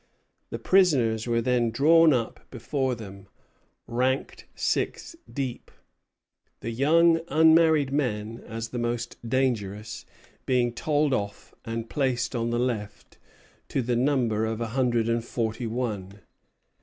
The prisoners were then drawn up before them, ranked six deep, the young unmarried men, as the most dangerous, being told off and placed on the left, to the number of a hundred and forty one.